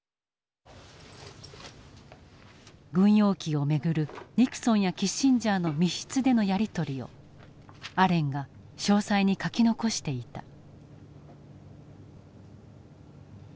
軍用機を巡るニクソンやキッシンジャーの密室でのやり取りをアレンが詳細に書き残していた。